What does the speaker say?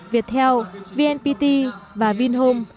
viettel vnpt và vinhome